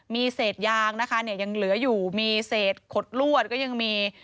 มีเศษยางนะคะเนี่ยยังเหลืออยู่มีเศษขดลวดก็ยังมี